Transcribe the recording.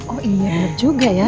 oh iya banget juga ya